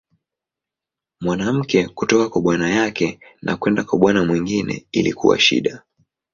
Mwanamke kutoka kwa bwana yake na kwenda kwa bwana mwingine ilikuwa shida.